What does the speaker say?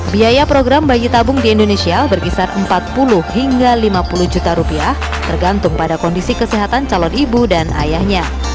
biaya program bayi tabung di indonesia berkisar empat puluh hingga lima puluh juta rupiah tergantung pada kondisi kesehatan calon ibu dan ayahnya